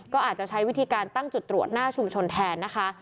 ก็อาจจะใช้วิธีการตั้งจุดตรวจหน้าชุมชนแทนนะคะ